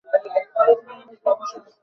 আমি-- আমি তোমার সাথে আসব।